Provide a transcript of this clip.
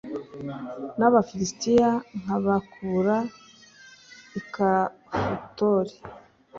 n’Abafilisitiya nkabakura i Kafutori